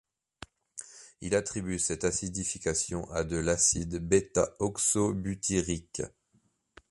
Il attribue cette acidification à de l'acide ß-oxobutyrique.